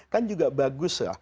kan juga bagus